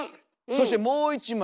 そしてもう一枚。